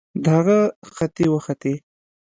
د هغه ختې وختې